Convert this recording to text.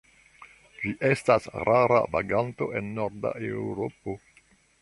Ĝi estas rara vaganto en Norda Eŭropo.